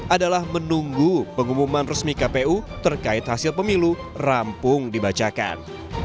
adalah menunggu pengumuman resmi kpu terkait hasil pemilu rampung dibacakan